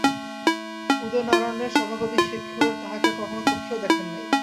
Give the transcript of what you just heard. উদয়নারায়ণের সভাকবি শেখর তাঁহাকে কখনো চক্ষেও দেখেন নাই।